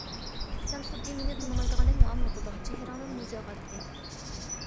سەن خۇددى مېنى تونۇمايدىغاندەك مۇئامىلە قىلدىڭ، چېھرىڭدىن مۇز ياغاتتى.